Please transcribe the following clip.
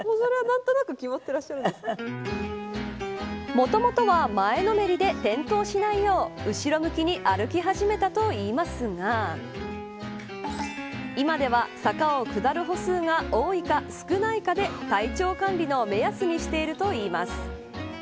もともとは前のめりで転倒しないよう後ろ向きに歩き始めたといいますが今では、坂を下る歩数が多いか少ないかで体調管理の目安にしているといいます。